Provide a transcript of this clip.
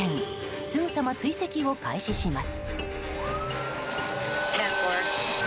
すぐさま追跡を開始します。